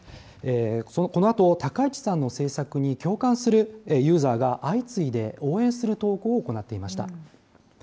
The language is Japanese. このあと、高市さんの政策に共感するユーザーが相次いで応援する投稿を行っていました。